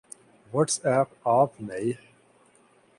what's app آپ نئے